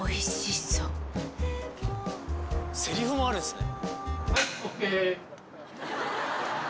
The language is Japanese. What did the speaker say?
セリフもあるんですね。